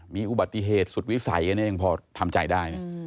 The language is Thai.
มีอุบัติเหตุสุดวิสัยกันเองพอทำใจได้